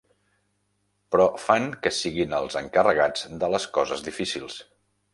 Però fan que siguin els encarregats de les coses difícils.